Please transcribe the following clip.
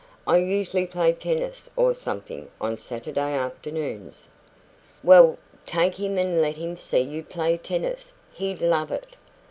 "I usually play tennis or something on Saturday afternoons " "Well, take him and let him see you play tennis. He'd love it."